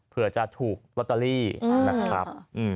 เผื่อจะถูกลอตเตอรี่นะครับ